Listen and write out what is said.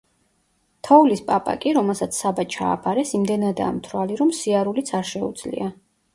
თოვლის პაპა კი, რომელსაც საბა ჩააბარეს, იმდენადაა მთვრალი, რომ სიარულიც არ შეუძლია.